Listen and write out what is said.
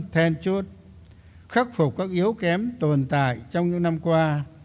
thêm chút khắc phục các yếu kém tồn tại trong những năm qua